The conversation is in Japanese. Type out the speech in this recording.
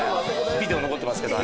ビデオ残ってますけど。